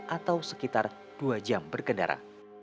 atau sekitar dua jam berkendara